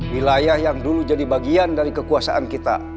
wilayah yang dulu jadi bagian dari kekuasaan kita